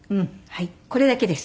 これだけです。